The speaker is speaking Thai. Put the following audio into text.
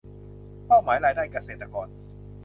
เป้าหมายรายได้เกษตรกร